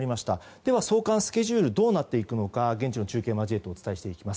では送還スケジュールはどうなっていくのか現地のスケジュールを交えてお伝えしていきます。